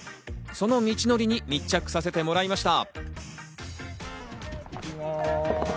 その道のりに密着させてもらいました。